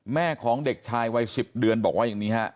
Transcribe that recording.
แม่ของเด็กชายวัย๑๐เดือนบอกว่าอย่างนี้ฮะ